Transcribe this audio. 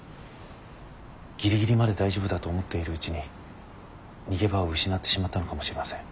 ギリギリまで大丈夫だと思っているうちに逃げ場を失ってしまったのかもしれません。